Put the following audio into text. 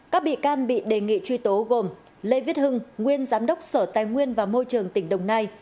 các bị can bị đề nghị truy tố gồm lê viết hưng nguyên giám đốc sở tài nguyên và môi trường tỉnh đồng nai